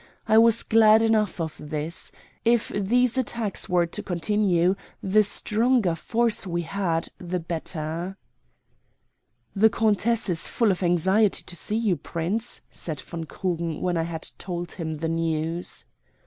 I was glad enough of this. If these attacks were to continue, the stronger force we had the better. "The countess is full of anxiety to see you, Prince," said von Krugen when I had told him the news.